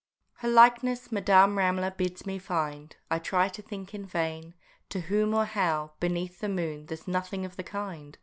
Her likeness Madame Ramler bids me find; I try to think in vain, to whom or how Beneath the moon there's nothing of the kind.